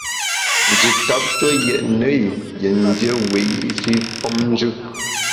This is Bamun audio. Nji tap tue yètne i yin dié wiyi’shi femnjù.